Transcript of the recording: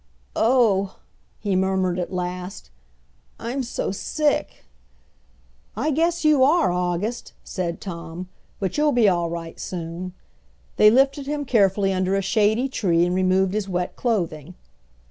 "Oh!" he murmured at last, "I'm so sick!" "I guess you are, August," said Tom, "but you'll be all right soon." They lifted him carefully under a shady tree and removed his wet clothing.